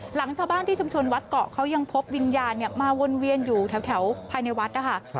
หลังชาวบ้านที่ชุมชนวัดเกาะเขายังพบวิญญาณมาวนเวียนอยู่แถวภายในวัดนะคะ